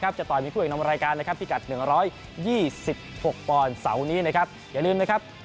สิบหกปอนด์เส้านี้นะครับอย่าลืมนะครับ